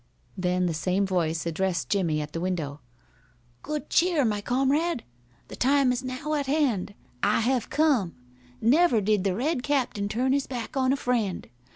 Then the same voice addressed Jimmie at the window: "Good cheer, my comrade. The time is now at hand. I have come. Never did the Red Captain turn his back on a friend.